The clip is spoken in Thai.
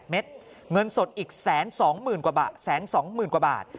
เม็ดเงินสดอีก๑๒๐๐๐กว่าบาท๑๒๐๐๐กว่าบาท